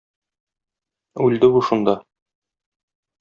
Үлде бу шунда.